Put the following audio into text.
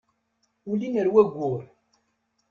Ulin ar wayyur.